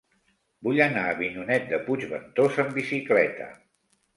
Vull anar a Avinyonet de Puigventós amb bicicleta.